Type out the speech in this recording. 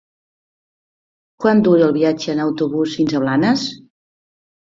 Quant dura el viatge en autobús fins a Blanes?